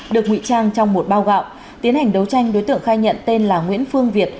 được ngụy trang trong một bao gạo tiến hành đấu tranh đối tượng khai nhận tên là nguyễn phương việt